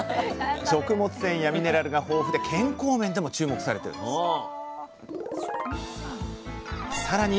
食物繊維やミネラルが豊富で健康面でも注目されているんですさらに